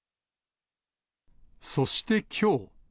そしてきょう。